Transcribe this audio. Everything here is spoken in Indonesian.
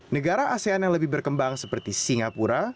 negara asean yang lebih berkembang seperti singapura